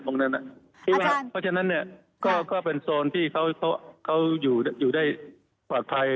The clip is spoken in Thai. เพราะฉะนั้นเนี่ยก็เป็นโซนที่เขาอยู่ได้ปลอดภัย